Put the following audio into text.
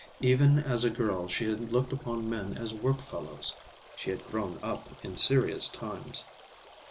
Even as a girl she had looked upon men as work fellows. She had grown up in serious times.